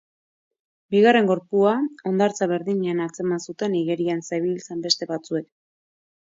Bigarren gorpua, hondartza berdinean atzeman zuten igerian zebiltzan beste batzuek.